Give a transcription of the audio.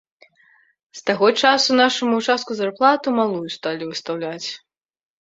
З таго часу нашаму ўчастку зарплату малую сталі выстаўляць.